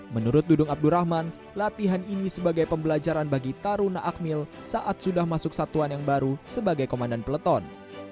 menurut dudung abdurrahman latihan ini sebagai pembelajaran bagi taruna akmil saat sudah masuk satuan yang baru sebagai komandan peleton